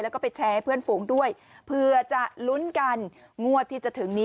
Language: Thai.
แล้วก็ไปแชร์ให้เพื่อนฝูงด้วยเผื่อจะลุ้นกันงวดที่จะถึงนี้